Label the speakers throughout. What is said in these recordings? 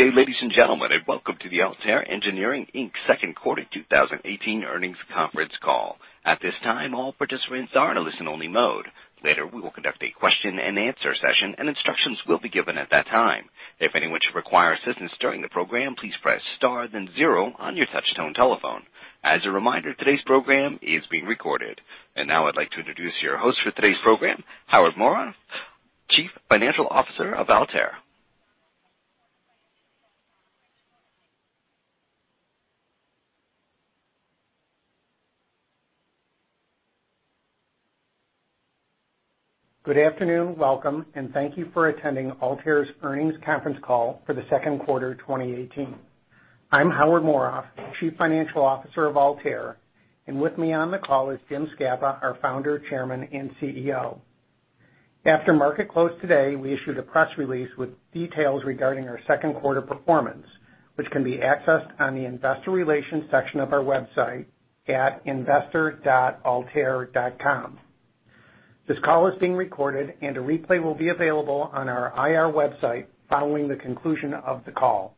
Speaker 1: Good day, ladies and gentlemen, welcome to the Altair Engineering Inc. second quarter 2018 earnings conference call. At this time, all participants are in a listen-only mode. Later, we will conduct a question and answer session, and instructions will be given at that time. If anyone should require assistance during the program, please press star then zero on your touchtone telephone. As a reminder, today's program is being recorded. Now I'd like to introduce your host for today's program, Howard Morof, Chief Financial Officer of Altair.
Speaker 2: Good afternoon, welcome, thank you for attending Altair's earnings conference call for the second quarter of 2018. I'm Howard Morof, Chief Financial Officer of Altair, and with me on the call is Jim Scapa, our Founder, Chairman, and CEO. After market close today, we issued a press release with details regarding our second quarter performance, which can be accessed on the investor relations section of our website at investor.altair.com. This call is being recorded, and a replay will be available on our IR website following the conclusion of the call.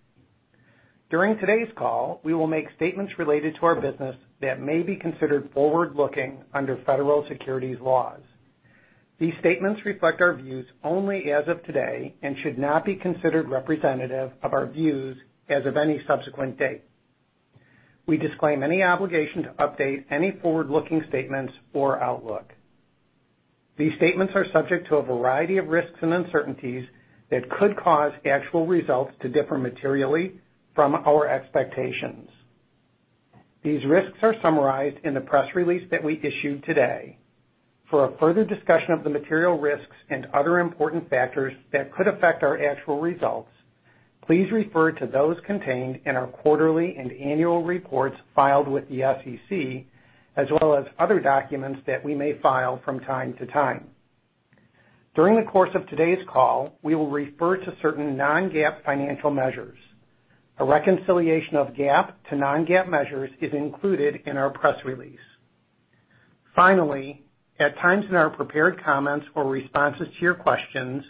Speaker 2: During today's call, we will make statements related to our business that may be considered forward-looking under federal securities laws. These statements reflect our views only as of today and should not be considered representative of our views as of any subsequent date. We disclaim any obligation to update any forward-looking statements or outlook. These statements are subject to a variety of risks and uncertainties that could cause actual results to differ materially from our expectations. These risks are summarized in the press release that we issued today. For a further discussion of the material risks and other important factors that could affect our actual results, please refer to those contained in our quarterly and annual reports filed with the SEC, as well as other documents that we may file from time to time. During the course of today's call, we will refer to certain non-GAAP financial measures. A reconciliation of GAAP to non-GAAP measures is included in our press release. At times in our prepared comments or responses to your questions,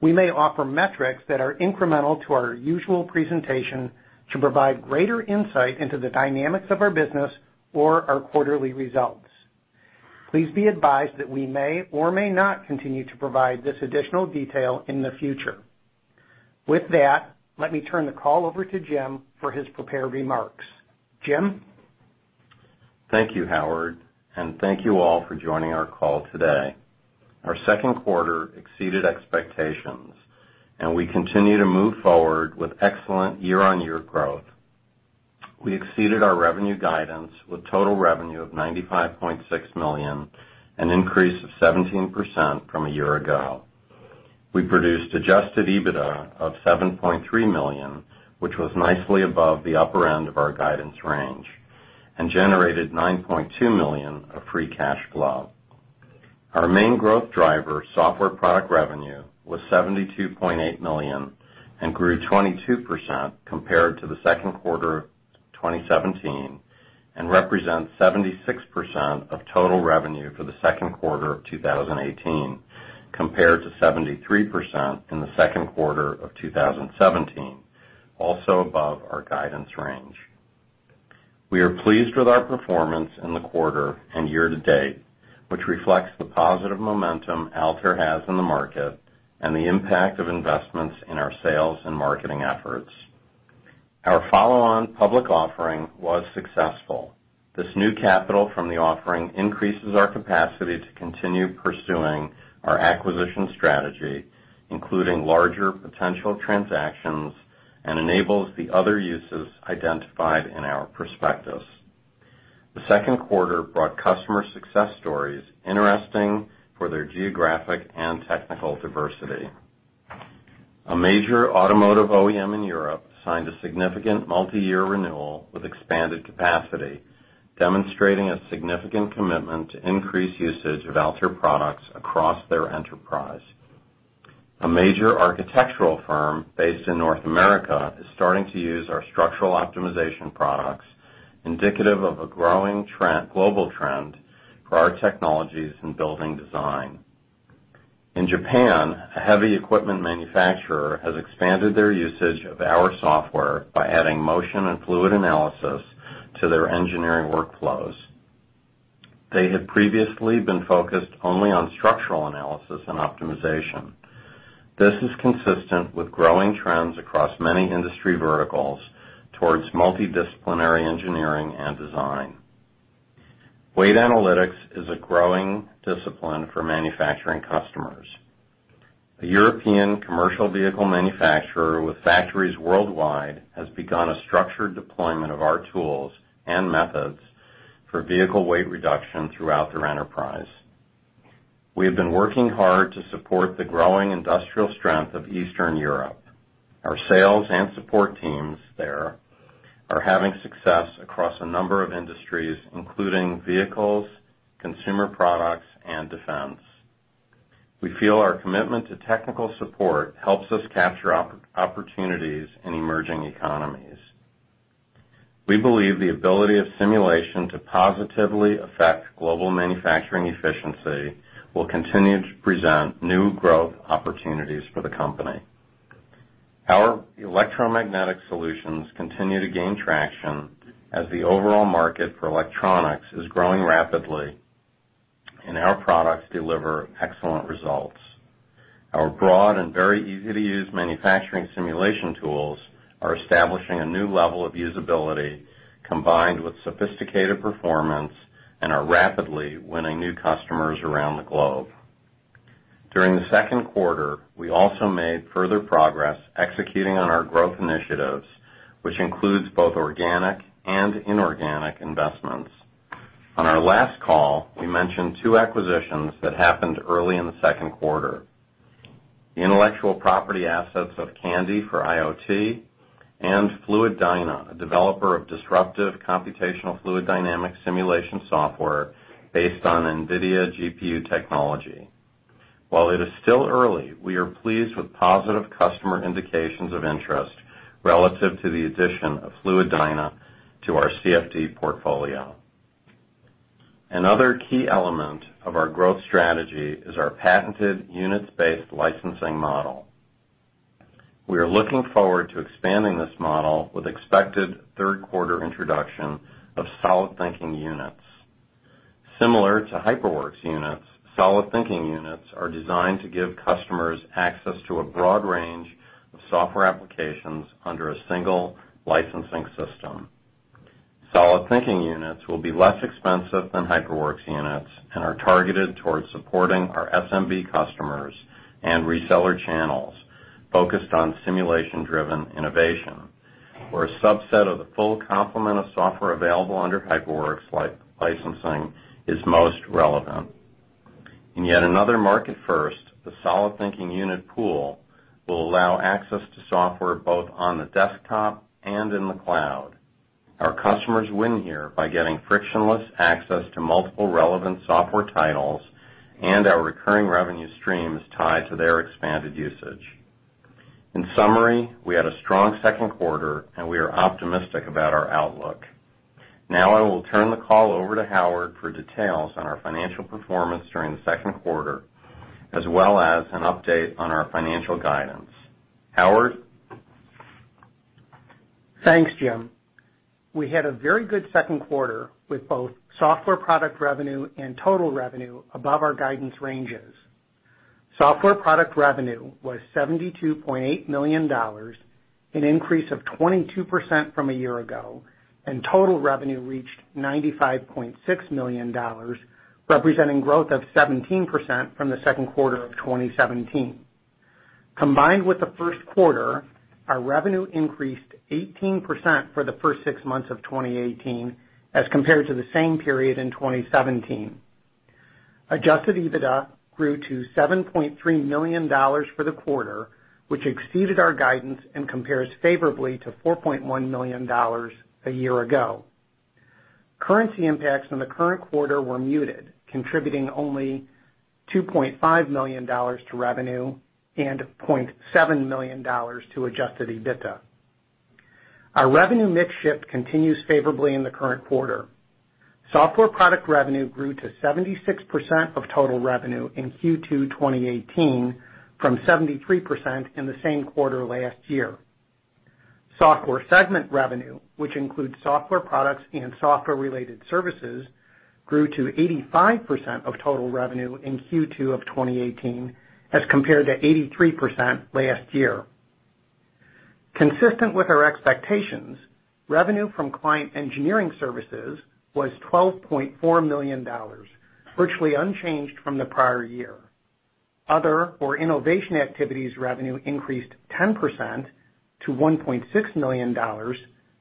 Speaker 2: we may offer metrics that are incremental to our usual presentation to provide greater insight into the dynamics of our business or our quarterly results. Please be advised that we may or may not continue to provide this additional detail in the future. With that, let me turn the call over to Jim for his prepared remarks. Jim?
Speaker 3: Thank you, Howard, and thank you all for joining our call today. Our second quarter exceeded expectations, and we continue to move forward with excellent year-on-year growth. We exceeded our revenue guidance with total revenue of $95.6 million, an increase of 17% from a year ago. We produced adjusted EBITDA of $7.3 million, which was nicely above the upper end of our guidance range, and generated $9.2 million of free cash flow. Our main growth driver, software product revenue, was $72.8 million and grew 22% compared to the second quarter of 2017 and represents 76% of total revenue for the second quarter of 2018, compared to 73% in the second quarter of 2017, also above our guidance range. We are pleased with our performance in the quarter and year-to-date, which reflects the positive momentum Altair has in the market and the impact of investments in our sales and marketing efforts. Our follow-on public offering was successful. This new capital from the offering increases our capacity to continue pursuing our acquisition strategy, including larger potential transactions, and enables the other uses identified in our prospectus. The second quarter brought customer success stories interesting for their geographic and technical diversity. A major automotive OEM in Europe signed a significant multi-year renewal with expanded capacity, demonstrating a significant commitment to increase usage of Altair products across their enterprise. A major architectural firm based in North America is starting to use our structural optimization products, indicative of a growing global trend for our technologies in building design. In Japan, a heavy equipment manufacturer has expanded their usage of our software by adding motion and fluid analysis to their engineering workflows. They had previously been focused only on structural analysis and optimization. This is consistent with growing trends across many industry verticals towards multidisciplinary engineering and design. Weight analytics is a growing discipline for manufacturing customers. A European commercial vehicle manufacturer with factories worldwide has begun a structured deployment of our tools and methods for vehicle weight reduction throughout their enterprise. We have been working hard to support the growing industrial strength of Eastern Europe. Our sales and support teams there are having success across a number of industries, including vehicles, consumer products, and defense. We feel our commitment to technical support helps us capture opportunities in emerging economies. We believe the ability of simulation to positively affect global manufacturing efficiency will continue to present new growth opportunities for the company. Our electromagnetic solutions continue to gain traction as the overall market for electronics is growing rapidly, and our products deliver excellent results. Our broad and very easy-to-use manufacturing simulation tools are establishing a new level of usability, combined with sophisticated performance, and are rapidly winning new customers around the globe. During the second quarter, we also made further progress executing on our growth initiatives, which includes both organic and inorganic investments. On our last call, we mentioned two acquisitions that happened early in the second quarter. The intellectual property assets of Candy for IoT, and FluiDyna, a developer of disruptive computational fluid dynamics simulation software based on NVIDIA GPU technology. While it is still early, we are pleased with positive customer indications of interest relative to the addition of FluiDyna to our CFD portfolio. Another key element of our growth strategy is our patented units-based licensing model. We are looking forward to expanding this model with expected third-quarter introduction of solidThinking Units. Similar to HyperWorks Units, solidThinking Units are designed to give customers access to a broad range of software applications under a single licensing system. solidThinking Units will be less expensive than HyperWorks Units and are targeted towards supporting our SMB customers and reseller channels focused on simulation-driven innovation, where a subset of the full complement of software available under HyperWorks licensing is most relevant. In yet another market first, the solidThinking Unit pool will allow access to software both on the desktop and in the cloud. Our customers win here by getting frictionless access to multiple relevant software titles, our recurring revenue stream is tied to their expanded usage. In summary, we had a strong second quarter, we are optimistic about our outlook. Now I will turn the call over to Howard for details on our financial performance during the second quarter, as well as an update on our financial guidance. Howard?
Speaker 2: Thanks, Jim. We had a very good second quarter with both software product revenue and total revenue above our guidance ranges. Software product revenue was $72.8 million, an increase of 22% from a year ago, total revenue reached $95.6 million, representing growth of 17% from the second quarter of 2017. Combined with the first quarter, our revenue increased 18% for the first six months of 2018 as compared to the same period in 2017. Adjusted EBITDA grew to $7.3 million for the quarter, which exceeded our guidance and compares favorably to $4.1 million a year ago. Currency impacts on the current quarter were muted, contributing only $2.5 million to revenue and $0.7 million to Adjusted EBITDA. Our revenue mix shift continues favorably in the current quarter. Software product revenue grew to 76% of total revenue in Q2 2018 from 73% in the same quarter last year. Software segment revenue, which includes software products and software-related services, grew to 85% of total revenue in Q2 of 2018 as compared to 83% last year. Consistent with our expectations, revenue from client engineering services was $12.4 million, virtually unchanged from the prior year. Other, or innovation activities revenue increased 10% to $1.6 million,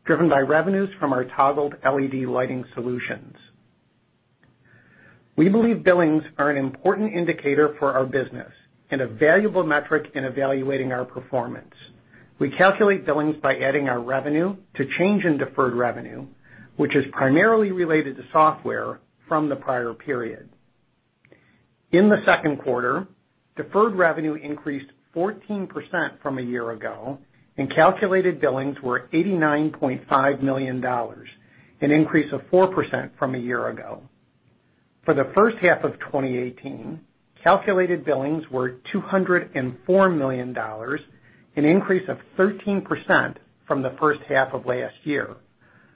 Speaker 2: driven by revenues from our Toggled LED lighting solutions. We believe billings are an important indicator for our business and a valuable metric in evaluating our performance. We calculate billings by adding our revenue to change in deferred revenue, which is primarily related to software from the prior period. In the second quarter, deferred revenue increased 14% from a year ago, calculated billings were $89.5 million, an increase of 4% from a year ago. For the first half of 2018, calculated billings were $204 million, an increase of 13% from the first half of last year,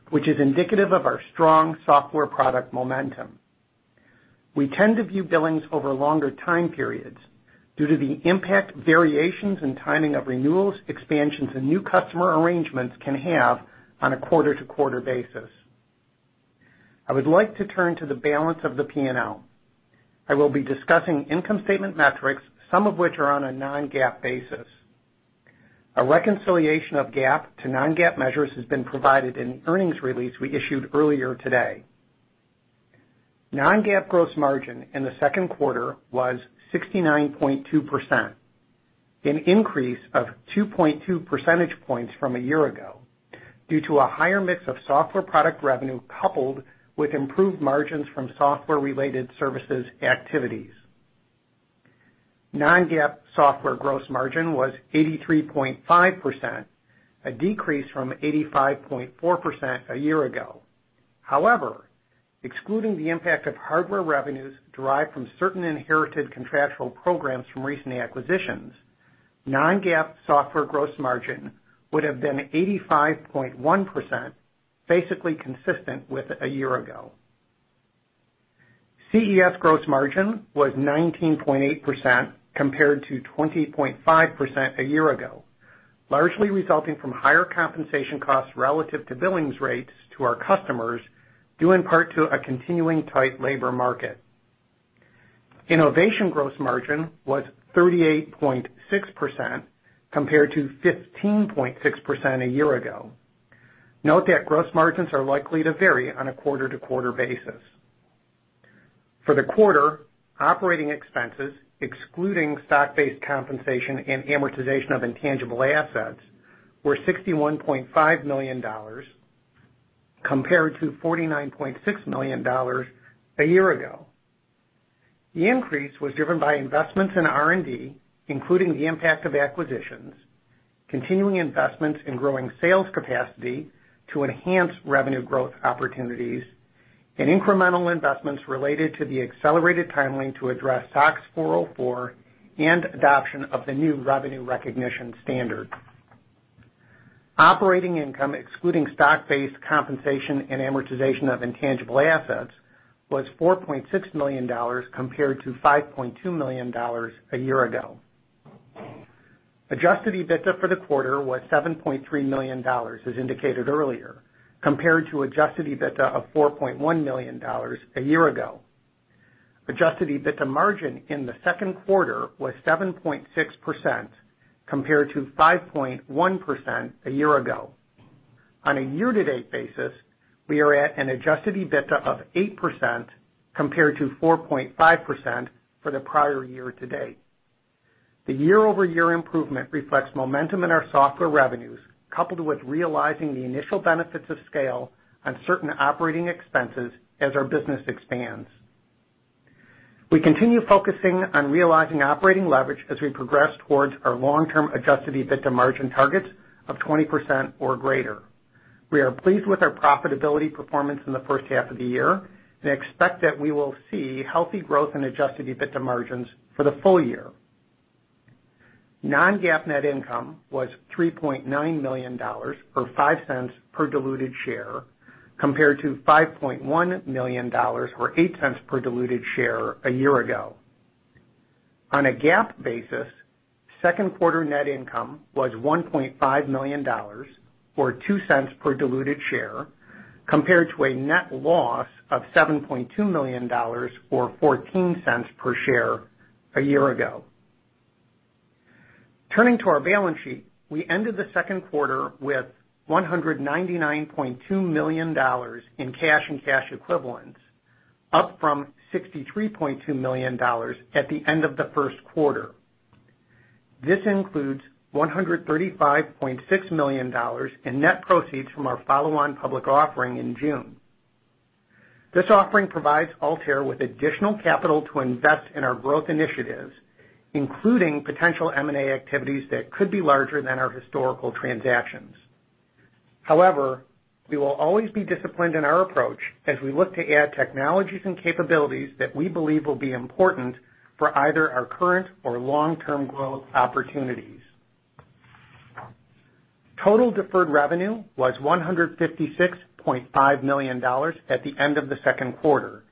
Speaker 2: which is indicative of our strong software product momentum. We tend to view billings over longer time periods due to the impact variations and timing of renewals, expansions, and new customer arrangements can have on a quarter-to-quarter basis. I would like to turn to the balance of the P&L. I will be discussing income statement metrics, some of which are on a non-GAAP basis. A reconciliation of GAAP to non-GAAP measures has been provided in the earnings release we issued earlier today. Non-GAAP gross margin in the second quarter was 69.2%, an increase of 2.2 percentage points from a year ago due to a higher mix of software product revenue, coupled with improved margins from software-related services activities. Non-GAAP software gross margin was 83.5%, a decrease from 85.4% a year ago. However, excluding the impact of hardware revenues derived from certain inherited contractual programs from recent acquisitions, non-GAAP software gross margin would have been 85.1%, basically consistent with a year ago. CES gross margin was 19.8% compared to 20.5% a year ago, largely resulting from higher compensation costs relative to billings rates to our customers, due in part to a continuing tight labor market. Innovation gross margin was 38.6% compared to 15.6% a year ago. Note that gross margins are likely to vary on a quarter-to-quarter basis. For the quarter, operating expenses, excluding stock-based compensation and amortization of intangible assets, were $61.5 million compared to $49.6 million a year ago. The increase was driven by investments in R&D, including the impact of acquisitions, continuing investments in growing sales capacity to enhance revenue growth opportunities, and incremental investments related to the accelerated timeline to address SOX 404 and adoption of the new revenue recognition standard. Operating income, excluding stock-based compensation and amortization of intangible assets, was $4.6 million compared to $5.2 million a year ago. Adjusted EBITDA for the quarter was $7.3 million, as indicated earlier, compared to adjusted EBITDA of $4.1 million a year ago. Adjusted EBITDA margin in the second quarter was 7.6% compared to 5.1% a year ago. On a year-to-date basis, we are at an adjusted EBITDA of 8% compared to 4.5% for the prior year to date. The year-over-year improvement reflects momentum in our software revenues, coupled with realizing the initial benefits of scale on certain operating expenses as our business expands. We continue focusing on realizing operating leverage as we progress towards our long-term adjusted EBITDA margin targets of 20% or greater. We are pleased with our profitability performance in the first half of the year and expect that we will see healthy growth in adjusted EBITDA margins for the full year. Non-GAAP net income was $3.9 million, or $0.05 per diluted share, compared to $5.1 million or $0.08 per diluted share a year ago. On a GAAP basis, second quarter net income was $1.5 million or $0.02 per diluted share, compared to a net loss of $7.2 million or $0.14 per share a year ago. Turning to our balance sheet, we ended the second quarter with $199.2 million in cash and cash equivalents, up from $63.2 million at the end of the first quarter. This includes $135.6 million in net proceeds from our follow-on public offering in June. This offering provides Altair with additional capital to invest in our growth initiatives, including potential M&A activities that could be larger than our historical transactions. However, we will always be disciplined in our approach as we look to add technologies and capabilities that we believe will be important for either our current or long-term growth opportunities. Total deferred revenue was $156.5 million at the end of the second quarter,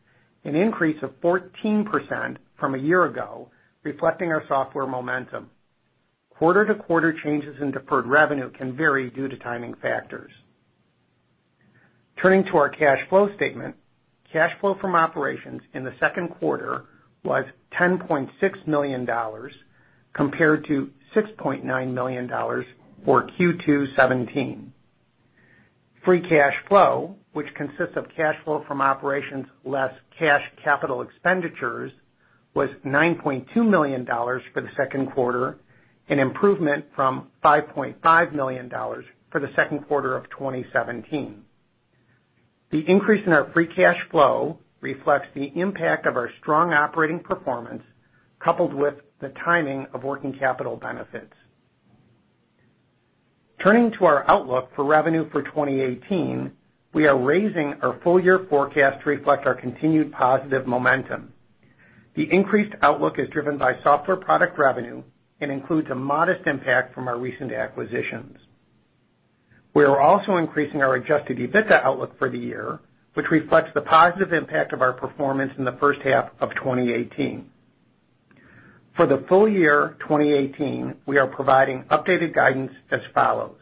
Speaker 2: an increase of 14% from a year ago, reflecting our software momentum. Quarter-to-quarter changes in deferred revenue can vary due to timing factors. Turning to our cash flow statement, cash flow from operations in the second quarter was $10.6 million compared to $6.9 million for Q2 2017. Free cash flow, which consists of cash flow from operations less cash capital expenditures, was $9.2 million for the second quarter, an improvement from $5.5 million for the second quarter of 2017. The increase in our free cash flow reflects the impact of our strong operating performance, coupled with the timing of working capital benefits. Turning to our outlook for revenue for 2018, we are raising our full-year forecast to reflect our continued positive momentum. The increased outlook is driven by software product revenue and includes a modest impact from our recent acquisitions. We are also increasing our adjusted EBITDA outlook for the year, which reflects the positive impact of our performance in the first half of 2018. For the full year 2018, we are providing updated guidance as follows.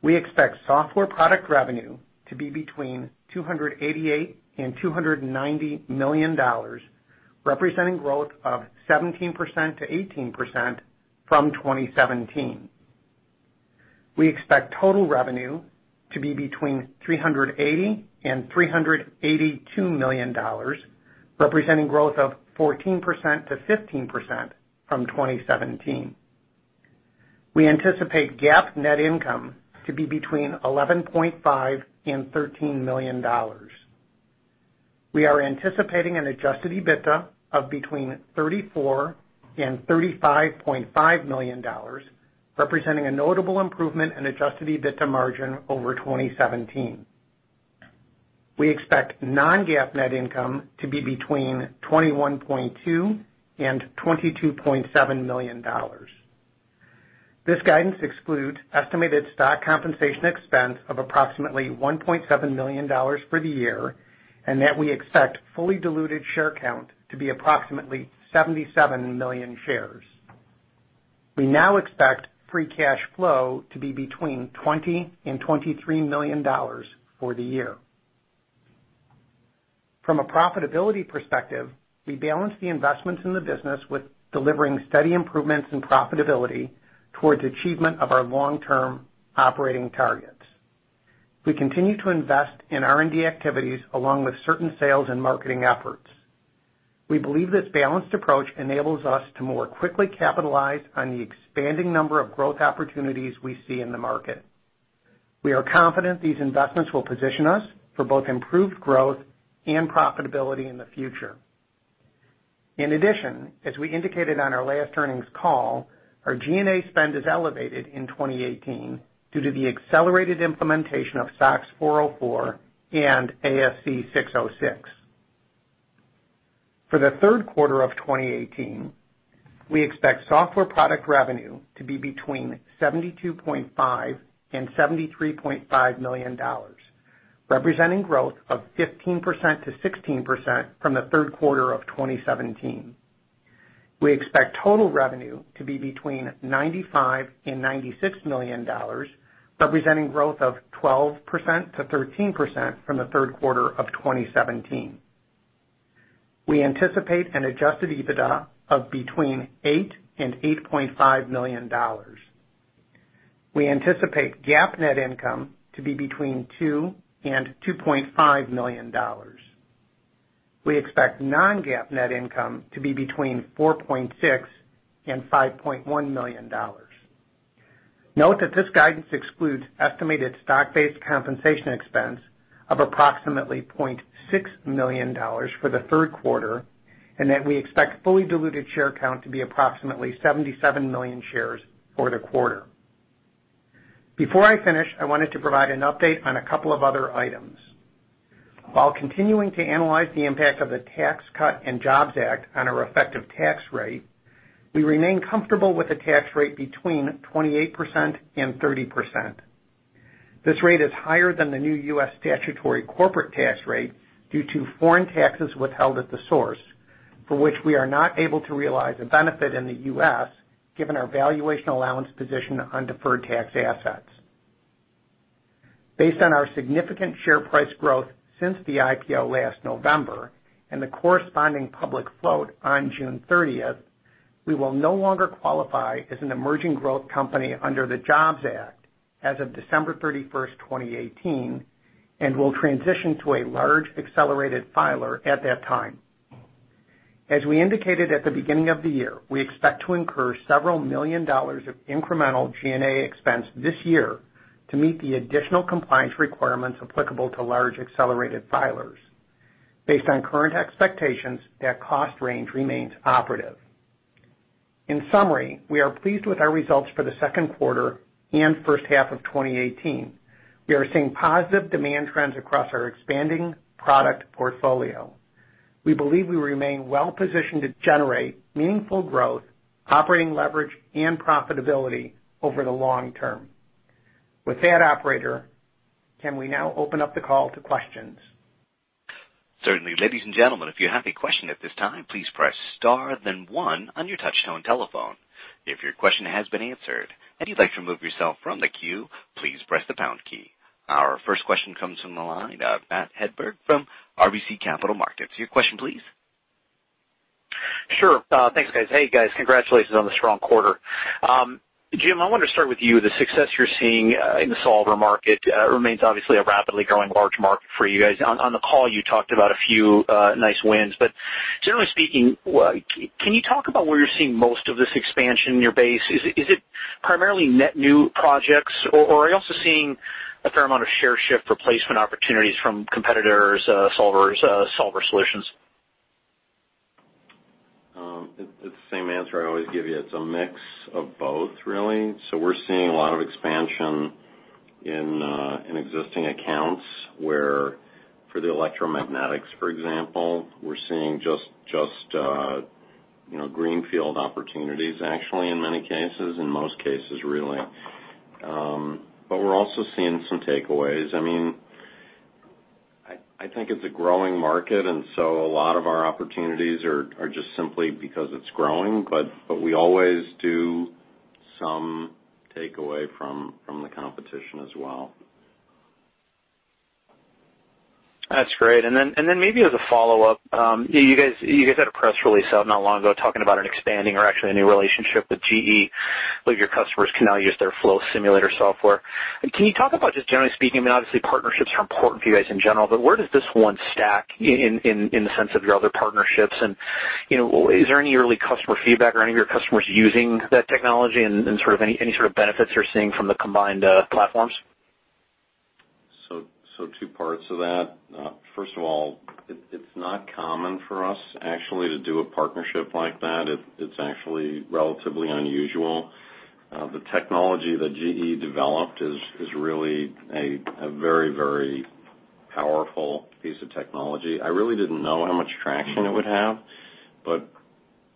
Speaker 2: We expect software product revenue to be between $288 million and $290 million, representing growth of 17%-18% from 2017. We expect total revenue to be between $380 million and $382 million, representing growth of 14%-15% from 2017. We anticipate GAAP net income to be between $11.5 million and $13 million. We are anticipating an adjusted EBITDA of between $34 million and $35.5 million, representing a notable improvement in adjusted EBITDA margin over 2017. We expect non-GAAP net income to be between $21.2 million and $22.7 million. This guidance excludes estimated stock compensation expense of approximately $1.7 million for the year, and that we expect fully diluted share count to be approximately 77 million shares. We now expect free cash flow to be between $20 million and $23 million for the year. From a profitability perspective, we balance the investments in the business with delivering steady improvements in profitability towards achievement of our long-term operating targets. We continue to invest in R&D activities along with certain sales and marketing efforts. We believe this balanced approach enables us to more quickly capitalize on the expanding number of growth opportunities we see in the market. We are confident these investments will position us for both improved growth and profitability in the future. In addition, as we indicated on our last earnings call, our G&A spend is elevated in 2018 due to the accelerated implementation of SOX 404 and ASC 606. For the third quarter of 2018, we expect software product revenue to be between $72.5 million and $73.5 million, representing growth of 15%-16% from the third quarter of 2017. We expect total revenue to be between $95 million and $96 million, representing growth of 12%-13% from the third quarter of 2017. We anticipate an adjusted EBITDA of between $8 million and $8.5 million. We anticipate GAAP net income to be between $2 million and $2.5 million. We expect non-GAAP net income to be between $4.6 million and $5.1 million. Note that this guidance excludes estimated stock-based compensation expense of approximately $0.6 million for the third quarter, and that we expect fully diluted share count to be approximately 77 million shares for the quarter. Before I finish, I wanted to provide an update on a couple of other items. While continuing to analyze the impact of the Tax Cuts and Jobs Act on our effective tax rate, we remain comfortable with a tax rate between 28% and 30%. This rate is higher than the new U.S. statutory corporate tax rate due to foreign taxes withheld at the source, for which we are not able to realize a benefit in the U.S. given our valuation allowance position on deferred tax assets. Based on our significant share price growth since the IPO last November and the corresponding public float on June 30th, we will no longer qualify as an emerging growth company under the Jobs Act as of December 31st, 2018, and will transition to a large accelerated filer at that time. As we indicated at the beginning of the year, we expect to incur several million dollars of incremental G&A expense this year to meet the additional compliance requirements applicable to large accelerated filers. Based on current expectations, that cost range remains operative. In summary, we are pleased with our results for the second quarter and first half of 2018. We are seeing positive demand trends across our expanding product portfolio. We believe we remain well-positioned to generate meaningful growth, operating leverage, and profitability over the long term. With that, operator, can we now open up the call to questions?
Speaker 1: Certainly. Ladies and gentlemen, if you have a question at this time, please press star then one on your touchtone telephone. If your question has been answered and you'd like to remove yourself from the queue, please press the pound key. Our first question comes from the line of Matthew Hedberg from RBC Capital Markets. Your question please.
Speaker 4: Sure. Thanks, guys. Hey, guys. Congratulations on the strong quarter. Jim, I wanted to start with you. The success you're seeing in the solver market remains obviously a rapidly growing large market for you guys. On the call, you talked about a few nice wins. Generally speaking, can you talk about where you're seeing most of this expansion in your base? Is it primarily net new projects, or are you also seeing a fair amount of share shift replacement opportunities from competitors' solver solutions?
Speaker 3: It's the same answer I always give you. It's a mix of both, really. We're seeing a lot of expansion in existing accounts where for the electromagnetics, for example, we're seeing just greenfield opportunities, actually, in many cases, in most cases, really. We're also seeing some takeaways. I think it's a growing market, a lot of our opportunities are just simply because it's growing, but we always do some takeaway from the competition as well.
Speaker 4: That's great. Maybe as a follow-up, you guys had a press release out not long ago talking about an expanding or actually a new relationship with GE. Believe your customers can now use their Flow Simulator software. Can you talk about, just generally speaking, I mean, obviously partnerships are important for you guys in general, but where does this one stack in the sense of your other partnerships? Is there any early customer feedback or any of your customers using that technology and any sort of benefits you're seeing from the combined platforms?
Speaker 3: Two parts to that. First of all, it's not common for us, actually, to do a partnership like that. It's actually relatively unusual. The technology that GE developed is really a very powerful piece of technology. I really didn't know how much traction it would have, but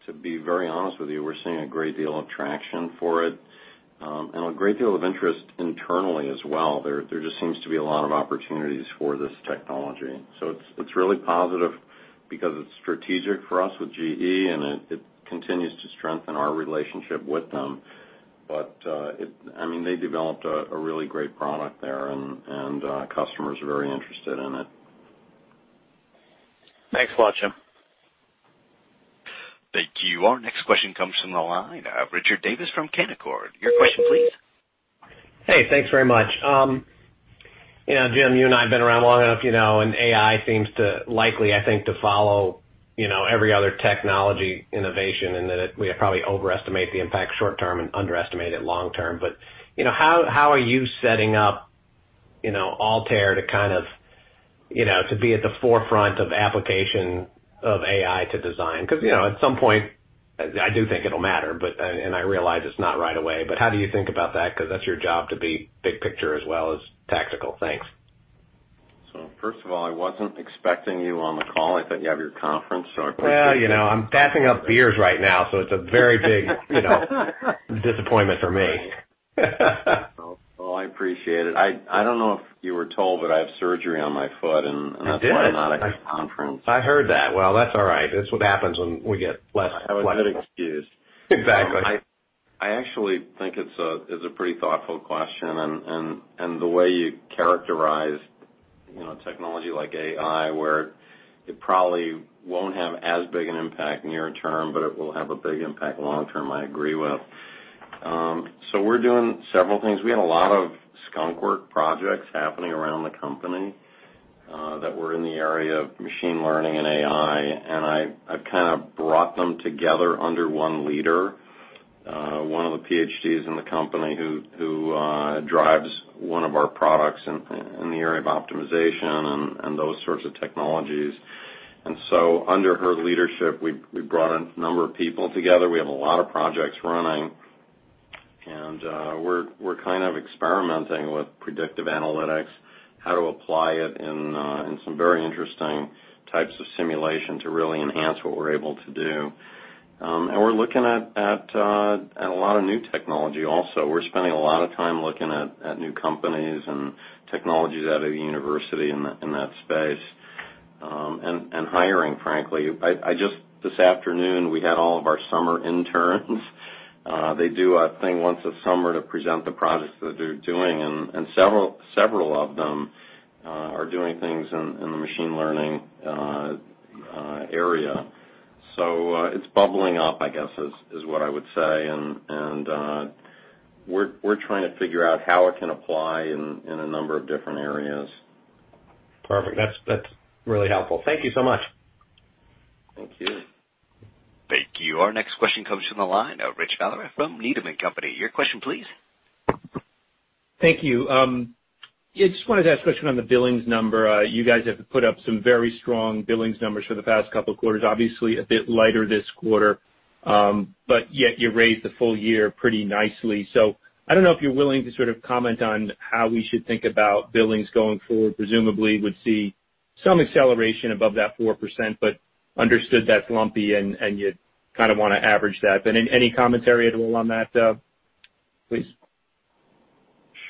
Speaker 3: to be very honest with you, we're seeing a great deal of traction for it, and a great deal of interest internally as well. There just seems to be a lot of opportunities for this technology. It's really positive because it's strategic for us with GE, and it continues to strengthen our relationship with them. They developed a really great product there, and customers are very interested in it.
Speaker 4: Thanks a lot, Jim.
Speaker 1: Thank you. Our next question comes from the line of Richard Davis from Canaccord. Your question, please?
Speaker 5: Hey, thanks very much. Jim, you and I have been around long enough, AI seems to likely, I think, to follow every other technology innovation, that we probably overestimate the impact short term and underestimate it long term. How are you setting up Altair to be at the forefront of application of AI to design? Because at some point, I do think it'll matter. I realize it's not right away, but how do you think about that? Because that's your job to be big picture as well as tactical. Thanks.
Speaker 3: First of all, I wasn't expecting you on the call. I thought you have your conference, I appreciate that.
Speaker 5: Well, I'm passing out beers right now, it's a very big disappointment for me.
Speaker 3: Well, I appreciate it. I don't know if you were told, but I have surgery on my foot, and that's why I'm not at the conference.
Speaker 5: I heard that. Well, that's all right. That's what happens when we get less flexible.
Speaker 3: I have a good excuse.
Speaker 5: Exactly.
Speaker 3: I actually think it's a pretty thoughtful question. The way you characterize technology like AI, where it probably won't have as big an impact near term, but it will have a big impact long term, I agree with. We're doing several things. We have a lot of skunkworks projects happening around the company that were in the area of machine learning and AI. I kind of brought them together under one leader. One of the PhDs in the company who drives one of our products in the area of optimization and those sorts of technologies. Under her leadership, we've brought a number of people together. We have a lot of projects running. We're kind of experimenting with predictive analytics, how to apply it in some very interesting types of simulation to really enhance what we're able to do. We're looking at a lot of new technology also. We're spending a lot of time looking at new companies and technologies out of university in that space. Hiring, frankly. Just this afternoon, we had all of our summer interns. They do a thing once a summer to present the projects that they're doing, and several of them are doing things in the machine learning area. It's bubbling up, I guess, is what I would say. We're trying to figure out how it can apply in a number of different areas.
Speaker 5: Perfect. That's really helpful. Thank you so much.
Speaker 3: Thank you.
Speaker 1: Thank you. Our next question comes from the line of Rich Valera from Needham & Company. Your question, please.
Speaker 6: Thank you. Just wanted to ask a question on the billings number. You guys have put up some very strong billings numbers for the past couple of quarters. Obviously a bit lighter this quarter. Yet you raised the full year pretty nicely. I don't know if you're willing to sort of comment on how we should think about billings going forward. Presumably would see some acceleration above that 4%, but understood that's lumpy and you'd kind of want to average that. Any commentary at all on that, please?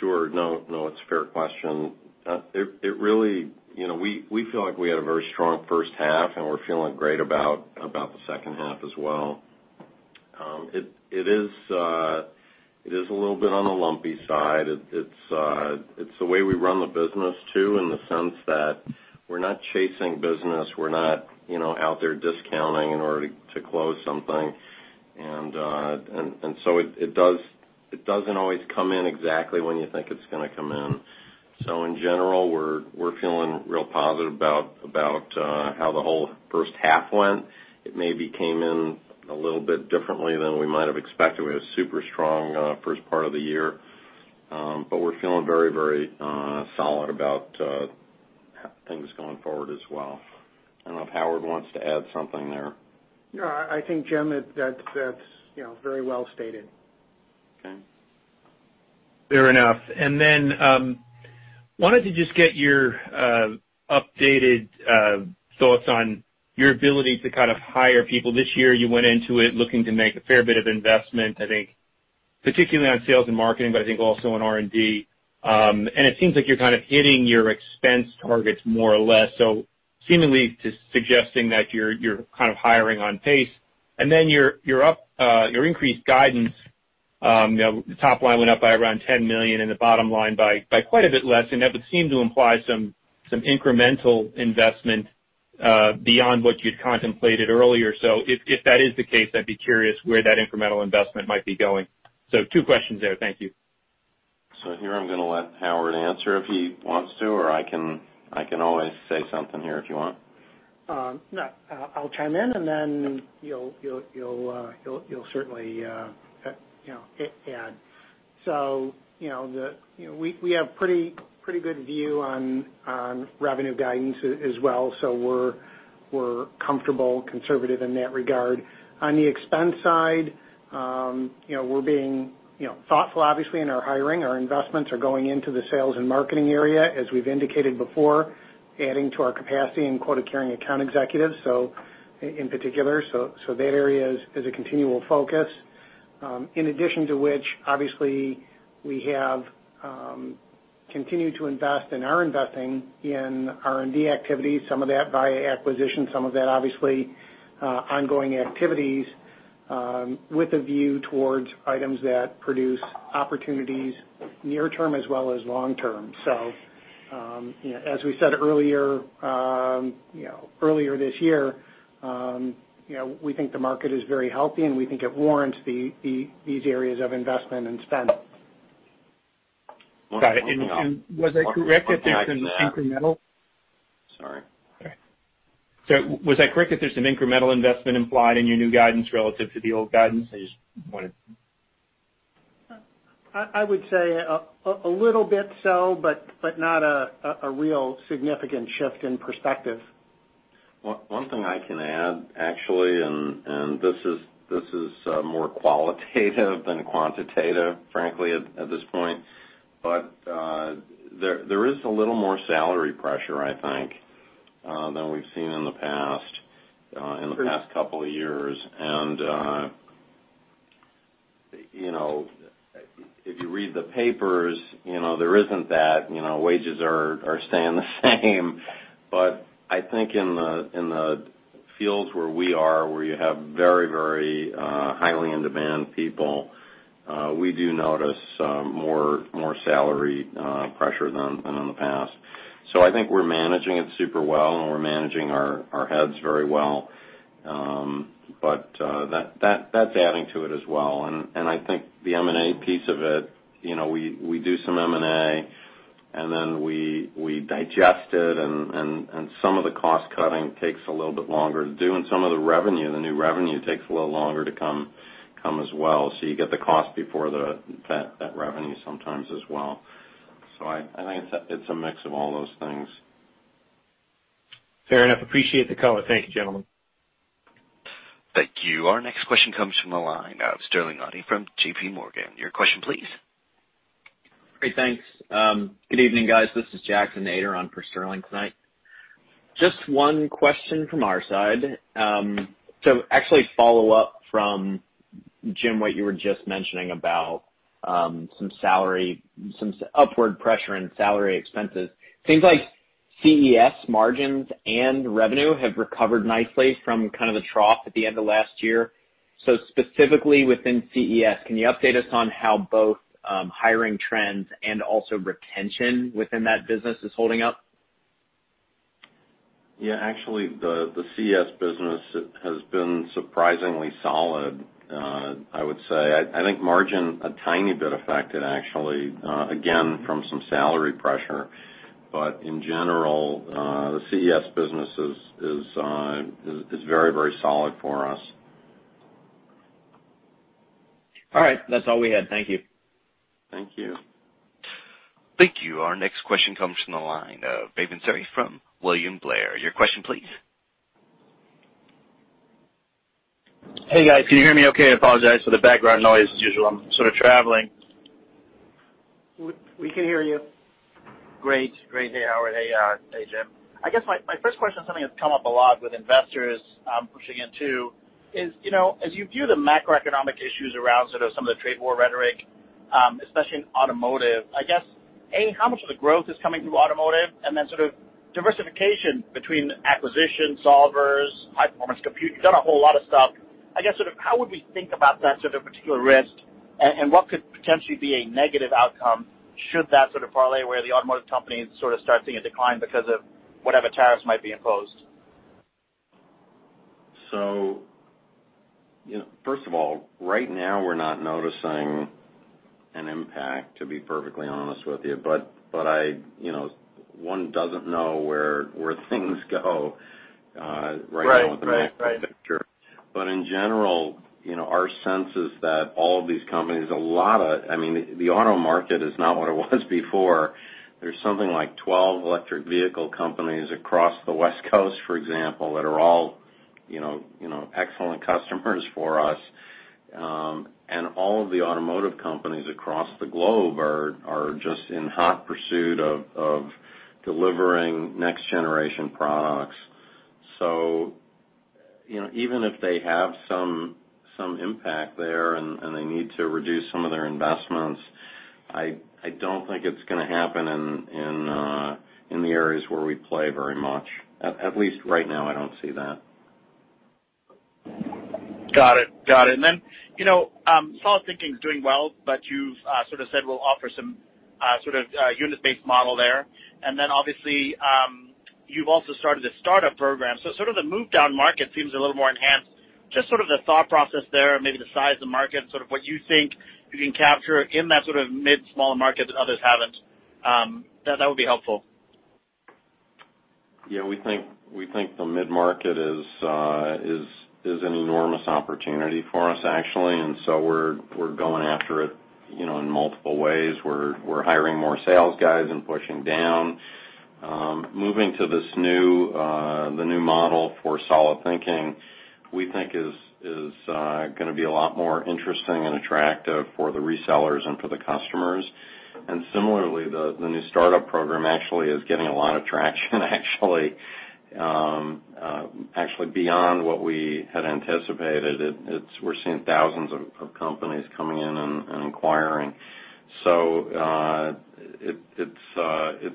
Speaker 3: Sure. It's a fair question. We feel like we had a very strong first half, and we're feeling great about the second half as well. It is a little bit on the lumpy side. It's the way we run the business, too, in the sense that we're not chasing business. We're not out there discounting in order to close something. It doesn't always come in exactly when you think it's going to come in. In general, we're feeling real positive about how the whole first half went. It maybe came in a little bit differently than we might have expected. We had a super strong first part of the year. We're feeling very solid about things going forward as well. I don't know if Howard wants to add something there.
Speaker 2: I think, Jim, that's very well stated.
Speaker 3: Okay.
Speaker 6: Fair enough. Wanted to just get your updated thoughts on your ability to kind of hire people. This year you went into it looking to make a fair bit of investment, I think particularly on sales and marketing, but I think also on R&D. It seems like you're kind of hitting your expense targets more or less, seemingly suggesting that you're kind of hiring on pace. Your increased guidance, the top line went up by around $10 million and the bottom line by quite a bit less, and that would seem to imply some incremental investment beyond what you'd contemplated earlier. If that is the case, I'd be curious where that incremental investment might be going. Two questions there. Thank you.
Speaker 3: I'm going to let Howard answer if he wants to, or I can always say something here if you want.
Speaker 2: No, I'll chime in and you'll certainly add. We have pretty good view on revenue guidance as well. We're comfortable, conservative in that regard. On the expense side, we're being thoughtful, obviously, in our hiring. Our investments are going into the sales and marketing area, as we've indicated before, adding to our capacity in quota-carrying account executives, so in particular. That area is a continual focus. In addition to which, obviously, we have continued to invest and are investing in R&D activities, some of that via acquisition, some of that obviously, ongoing activities, with a view towards items that produce opportunities near-term as well as long-term. As we said earlier this year, we think the market is very healthy, and we think it warrants these areas of investment and spend.
Speaker 3: One thing I'll-
Speaker 6: Got it. Was that correct that there's an incremental-
Speaker 3: Sorry.
Speaker 6: Was that correct that there's some incremental investment implied in your new guidance relative to the old guidance? I just wanted
Speaker 2: I would say a little bit so, but not a real significant shift in perspective.
Speaker 3: One thing I can add, actually, this is more qualitative than quantitative, frankly, at this point, there is a little more salary pressure, I think, than we've seen in the past couple of years. If you read the papers, there isn't that. Wages are staying the same. I think in the fields where we are, where you have very highly in-demand people, we do notice more salary pressure than in the past. I think we're managing it super well, and we're managing our heads very well. That's adding to it as well, and I think the M&A piece of it, we do some M&A, and then we digest it, and some of the cost-cutting takes a little bit longer to do, and some of the revenue, the new revenue, takes a little longer to come as well. You get the cost before that revenue sometimes as well. I think it's a mix of all those things.
Speaker 6: Fair enough. Appreciate the color. Thank you, gentlemen.
Speaker 1: Thank you. Our next question comes from the line of Sterling Auty from JP Morgan. Your question please.
Speaker 7: Great. Thanks. Good evening, guys. This is Jackson Ader on for Sterling tonight. Just one question from our side. Actually follow up from, Jim, what you were just mentioning about some upward pressure in salary expenses. Seems like CES margins and revenue have recovered nicely from kind of the trough at the end of last year. Specifically within CES, can you update us on how both hiring trends and also retention within that business is holding up?
Speaker 3: Yeah, actually, the CES business has been surprisingly solid, I would say. I think margin, a tiny bit affected actually, again, from some salary pressure. In general, the CES business is very solid for us.
Speaker 7: All right. That's all we had. Thank you.
Speaker 3: Thank you.
Speaker 1: Thank you. Our next question comes from the line of Bhavan Suri from William Blair. Your question, please.
Speaker 8: Hey, guys. Can you hear me okay? I apologize for the background noise as usual. I'm sort of traveling.
Speaker 2: We can hear you.
Speaker 8: Great. Hey, Howard. Hey, Jim. I guess my first question is something that's come up a lot with investors pushing into is, as you view the macroeconomic issues around sort of some of the trade war rhetoric, especially in automotive, I guess, A, how much of the growth is coming through automotive? Then sort of diversification between acquisition, solvers, high-performance compute. You've done a whole lot of stuff. I guess sort of how would we think about that sort of particular risk? What could potentially be a negative outcome should that sort of parlay where the automotive companies sort of start seeing a decline because of whatever tariffs might be imposed?
Speaker 3: First of all, right now we're not noticing an impact, to be perfectly honest with you. One doesn't know where things go right now with the macro picture.
Speaker 8: Right.
Speaker 3: In general, our sense is that all of these companies, the auto market is not what it was before. There's something like 12 electric vehicle companies across the West Coast, for example, that are all excellent customers for us. All of the automotive companies across the globe are just in hot pursuit of delivering next generation products. Even if they have some impact there, and they need to reduce some of their investments, I don't think it's going to happen in the areas where we play very much. At least right now, I don't see that.
Speaker 8: Got it. solidThinking is doing well, but you've sort of said we'll offer some sort of unit-based model there. You've also started a startup program, so sort of the move-down market seems a little more enhanced. Just sort of the thought process there, maybe the size of the market, sort of what you think you can capture in that sort of mid small market that others haven't. That would be helpful.
Speaker 3: Yeah. We think the mid-market is an enormous opportunity for us, actually. We're going after it in multiple ways. We're hiring more sales guys and pushing down. Moving to this new model for solidThinking, we think is going to be a lot more interesting and attractive for the resellers and for the customers. The new startup program actually is getting a lot of traction actually beyond what we had anticipated. We're seeing thousands of companies coming in and inquiring.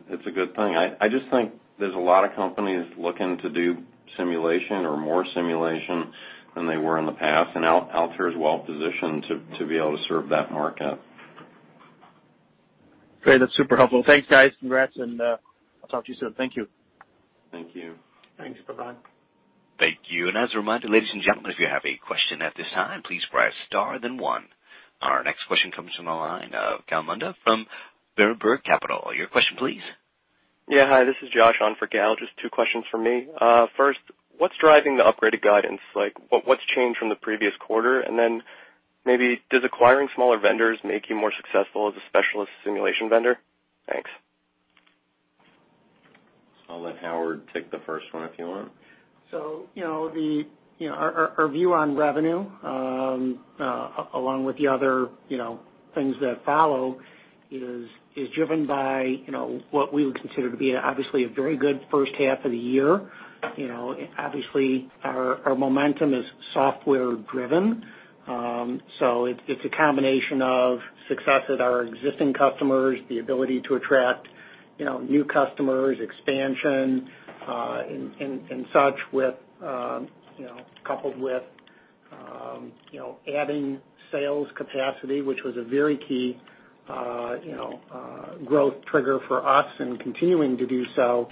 Speaker 3: It's a good thing. I just think there's a lot of companies looking to do simulation or more simulation than they were in the past, and Altair's well positioned to be able to serve that market.
Speaker 8: Great. That's super helpful. Thanks, guys. Congrats, and I'll talk to you soon. Thank you.
Speaker 3: Thank you.
Speaker 2: Thanks. Bye-bye.
Speaker 1: Thank you. As a reminder, ladies and gentlemen, if you have a question at this time, please press star then one. Our next question comes from the line of Gal Munda from Berenberg Capital. Your question, please.
Speaker 9: Hi, this is Josh on for Gal. Just two questions for me. First, what's driving the upgraded guidance? Like, what's changed from the previous quarter? Maybe does acquiring smaller vendors make you more successful as a specialist simulation vendor? Thanks.
Speaker 3: I'll let Howard take the first one if you want.
Speaker 2: Our view on revenue, along with the other things that follow, is driven by what we would consider to be obviously a very good first half of the year. Obviously, our momentum is software driven. It's a combination of success at our existing customers, the ability to attract new customers, expansion, and such, coupled with adding sales capacity, which was a very key growth trigger for us, and continuing to do so,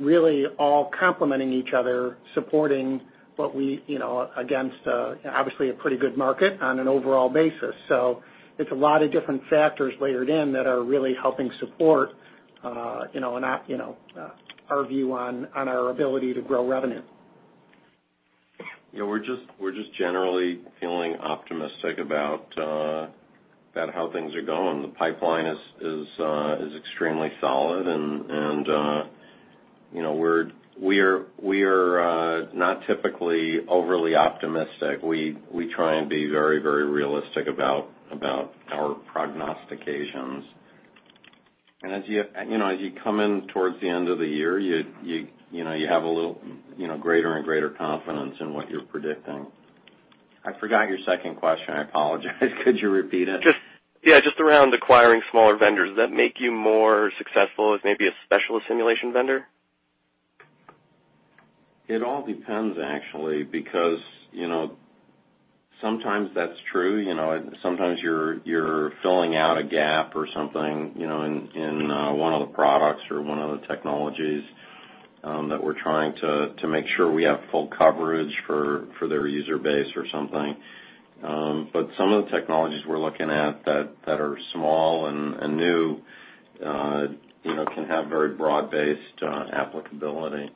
Speaker 2: really all complementing each other, supporting against obviously a pretty good market on an overall basis. It's a lot of different factors layered in that are really helping support our view on our ability to grow revenue.
Speaker 3: We're just generally feeling optimistic about how things are going. The pipeline is extremely solid and we are not typically overly optimistic. We try and be very realistic about our prognostications. As you come in towards the end of the year, you have greater and greater confidence in what you're predicting. I forgot your second question. I apologize. Could you repeat it?
Speaker 9: Just around acquiring smaller vendors. Does that make you more successful as maybe a specialist simulation vendor?
Speaker 3: It all depends, actually, because sometimes that's true. Sometimes you're filling out a gap or something in one of the products or one of the technologies that we're trying to make sure we have full coverage for their user base or something. Some of the technologies we're looking at that are small and new can have very broad-based applicability.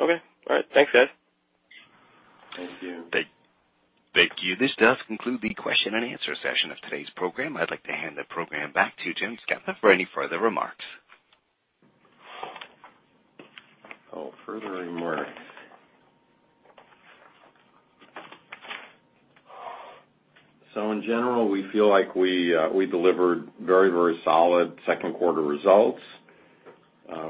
Speaker 9: Okay. All right. Thanks, guys.
Speaker 3: Thank you.
Speaker 1: Thank you. This does conclude the question and answer session of today's program. I'd like to hand the program back to Jim Scapa for any further remarks.
Speaker 3: No further remarks. In general, we feel like we delivered very solid second quarter results.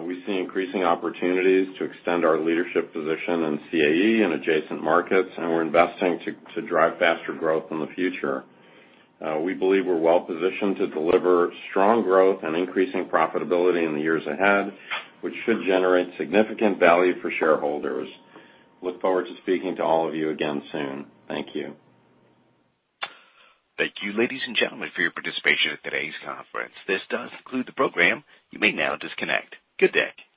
Speaker 3: We see increasing opportunities to extend our leadership position in CAE and adjacent markets, and we're investing to drive faster growth in the future. We believe we're well positioned to deliver strong growth and increasing profitability in the years ahead, which should generate significant value for shareholders. Look forward to speaking to all of you again soon. Thank you.
Speaker 1: Thank you, ladies and gentlemen, for your participation in today's conference. This does conclude the program. You may now disconnect. Good day.